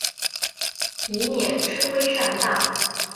以免吃亏上当